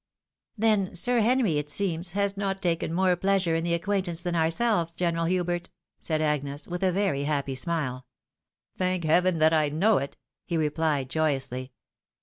" Then Sir Henry, it seems, has not taken more pleasure in the acquaintance than ourselves. General Hubert," said Agnes, ■with a very happy smile. " Thank heaven that I know it !" he replied, joyously.